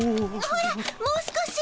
ほらもう少し。